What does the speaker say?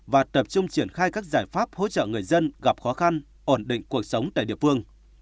và tập trung triển khai các giải pháp hỗ trợ người dân gặp khó khăn ổn định cuộc sống tại địa phương